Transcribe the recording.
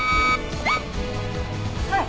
はい。